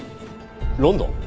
ロンドン！？